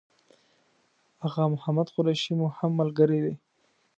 آغا محمد قریشي مو هم ملګری دی.